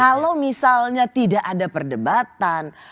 kalau misalnya tidak ada perdebatan